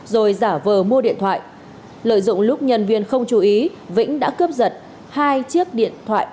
rồi giả vờ mua điện thoại lợi dụng lúc nhân viên không chú ý vĩnh đã cướp giật hai chiếc điện thoại